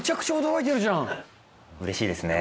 うれしいですね。